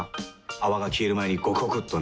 泡が消える前にゴクゴクっとね。